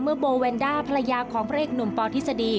เมื่อโบวัลด้าภรรยาของพระเอกหนุ่มปอทฤษฎี